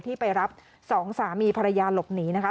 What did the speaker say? ไปรับสองสามีภรรยาหลบหนีนะคะ